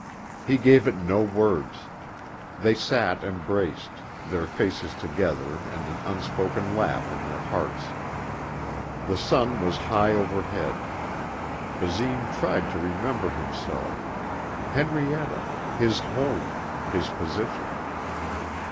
He gave it no words. They sat embraced, their faces together and an unspoken laugh in their hearts. The sun was high overhead. Basine tried to remember himself ... Henrietta, his home, his position.